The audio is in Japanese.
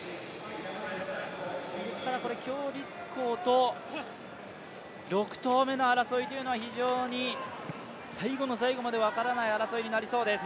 鞏立コウと６投目の争いというのは最後の最後まで分からない争いになりそうです。